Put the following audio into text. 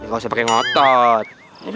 gak usah pake ngotot